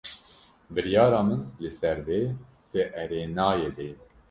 Biryara min li ser vê di erênayê de ye.